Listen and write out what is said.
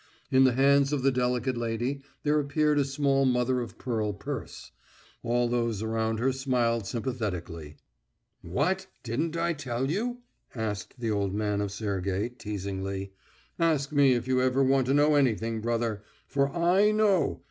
In the hands of the delicate lady there appeared a small mother of pearl purse. All those around her smiled sympathetically. "What? Didn't I tell you?" asked the old man of Sergey, teasingly. "Ask me if you ever want to know anything, brother, for I _know.